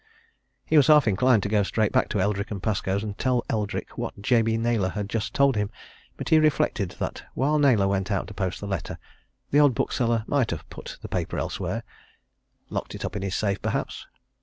He was half inclined to go straight back to Eldrick & Pascoe's and tell Eldrick what Jabey Naylor had just told him. But he reflected that while Naylor went out to post the letter, the old bookseller might have put the paper elsewhere; locked it up in his safe, perhaps.